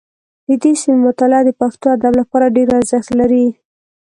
د دې سیمې مطالعه د پښتو ادب لپاره ډېر ارزښت لري